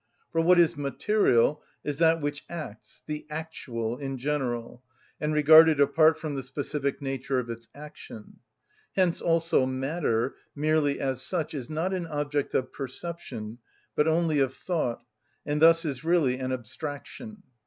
For what is material is that which acts (the actual) in general, and regarded apart from the specific nature of its action. Hence also matter, merely as such, is not an object of perception, but only of thought, and thus is really an abstraction.